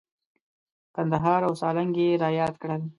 کندهار او سالنګ یې را یاد کړل.